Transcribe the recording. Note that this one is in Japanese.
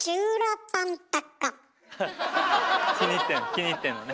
気に入ってんのね。